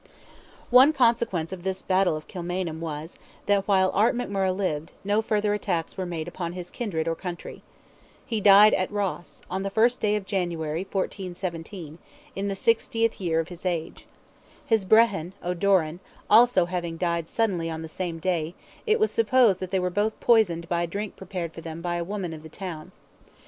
One consequence of this battle of Kilmainham was, that while Art McMurrogh lived, no further attacks were made upon his kindred or country. He died at Ross, on the first day of January, 1417, in the 60th year of his age. His Brehon, O'Doran, having also died suddenly on the same day, it was supposed they were both poisoned by a drink prepared for them by a woman of the town.